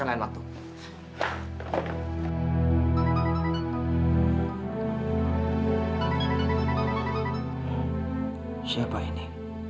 kenapa tidak ada nomornya